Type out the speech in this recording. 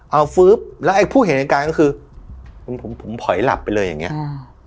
เอาฟื้บแล้วอีกผู้เหตุการณ์ก็คือผมผมผมผอยหลับไปเลยอย่างเงี้ยอ่า